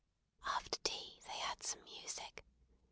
After tea, they had some music.